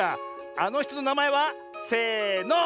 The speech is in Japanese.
あのひとのなまえはせの。